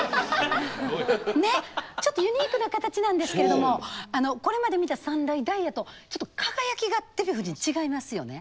ねっちょっとユニークな形なんですけれどもこれまで見た三大ダイヤとちょっと輝きがデヴィ夫人違いますよね？